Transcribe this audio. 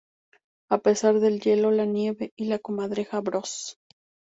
A pesar de el hielo, la nieve y la comadreja Bros.